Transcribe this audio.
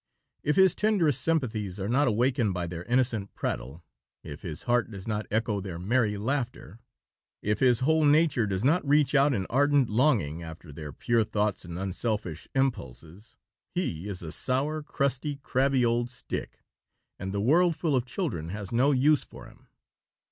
If his tenderest sympathies are not awakened by their innocent prattle, if his heart does not echo their merry laughter, if his whole nature does not reach out in ardent longing after their pure thoughts and unselfish impulses, he is a sour, crusty, crabbed old stick, and the world full of children has no use for him.